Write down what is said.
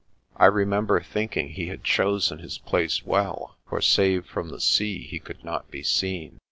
I remember thinking he had chosen his place well, for save from the sea he could not be seen.